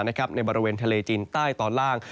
ในบริเวณทะเลจีนใต้ตอนล่าง